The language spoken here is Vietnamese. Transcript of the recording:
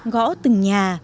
gõ từng nhà